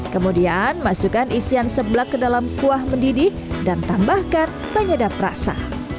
kemudian masukkan isian seblak ke dalam kuah mendidih dan tambahkan penyedap rasa